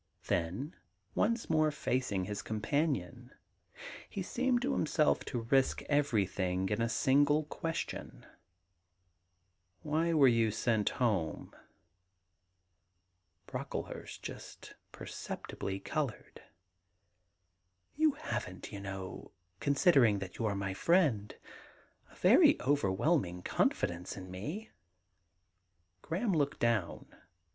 Then once more facing his companion, he seemed to himself to risk everjrthing in a single question :* Why were you sent home ?* Brocklehurst j ust perceptibly coloured. * You haven't, you know, considering that you are my friend, a very overwhelming confidence in me.' Graham looked down.